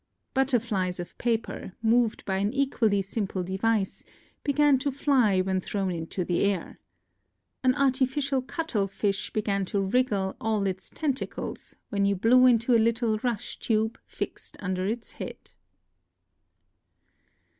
Butterflies of paper, moved by an equally simple device, began to fly when thrown into the air. An artificial cuttlefish began to wriggle all its tentacles when you blew into a little rush tube fixed under its head.